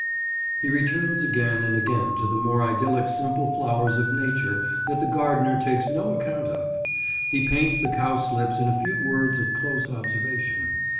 He returns again and again to the more idyllic simple flowers of nature that the gardener takes no account of. He paints the cowslips in a few words of close observation.